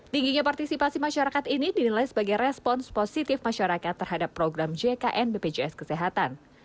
tingginya partisipasi masyarakat ini dinilai sebagai respons positif masyarakat terhadap program jkn bpjs kesehatan